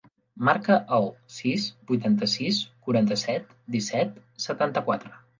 Marca el sis, vuitanta-sis, quaranta-set, disset, setanta-quatre.